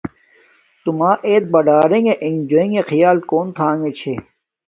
توما ایت ہیے باڈاریݣ انݣ جوینݣ خیال کون تحنݣے چھے۔